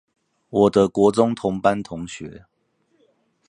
我的國中同班同學